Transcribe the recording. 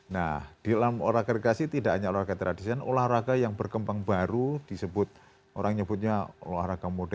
nah di dalam olahraga rekrasi tidak hanya olahraga tradisional olahraga yang berkembang baru disebut orang nyebutnya olahraga muda